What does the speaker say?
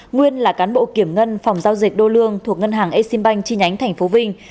nguyên là cán bộ kiểm ngân phòng giao dịch đô lương thuộc ngân hàng exim bank chi nhánh tp vinh